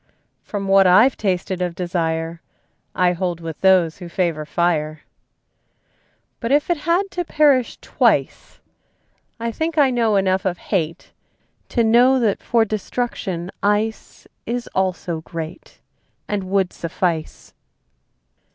From what I've tasted of desire I hold with those who favor fire. But if it had to perish twice, I think I know enough of hate To know that for destruction ice Is also great, And would suffice.